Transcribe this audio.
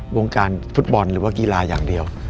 วงการฟุตบอลหรือว่ากีฬาอย่างเดียว